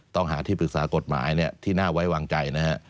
ต้องหาที่ปรึกษากฎหมายที่น่าไว้วางใจนะฮะ